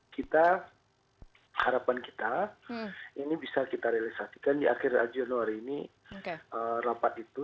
kita harapan kita ini bisa kita realisasikan di akhir januari ini rapat itu